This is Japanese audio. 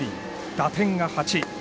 打点が８。